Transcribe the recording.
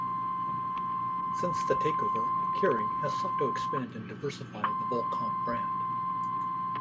Since the takeover, Kering has sought to expand and diversify the Volcom brand.